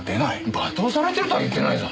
罵倒されてるとは言ってないぞ。